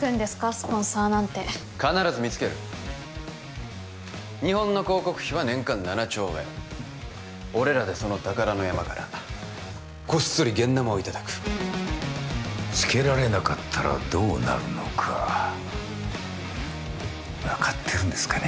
スポンサーなんて必ず見つける日本の広告費は年間７兆円俺らでその宝の山からごっそり現ナマをいただくつけられなかったらどうなるのか分かってるんですかね？